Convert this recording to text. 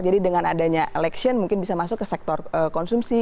jadi dengan adanya election mungkin bisa masuk ke sektor konsumsi